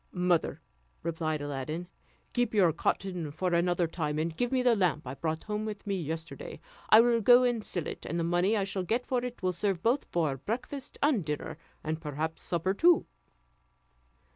"Mother," replied Aladdin, "keep your cotton for another time, and give me the lamp I brought home with me yesterday; I will go and sell it, and the money I shall get for it will serve both for breakfast and dinner, and perhaps supper too."